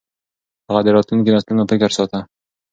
هغه د راتلونکو نسلونو فکر ساته.